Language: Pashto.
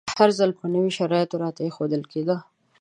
هر ځل به نوی شرط راته ایښودل کیده.